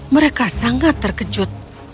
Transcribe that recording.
mereka sangat terkejut